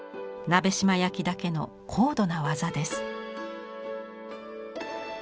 鍋島焼だけの高度な技です。